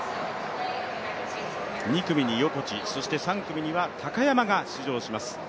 ２組に横地、そして３組には高山が出場します。